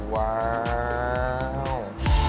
ว้าว